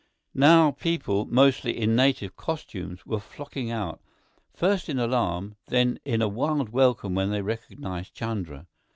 Now people, mostly in native costumes, were flocking out, first in alarm, then in a wild welcome when they recognized Chandra.